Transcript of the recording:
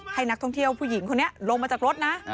ให้นักท่องเที่ยวผู้หญิงคนนี้ลงมาจากรถนะ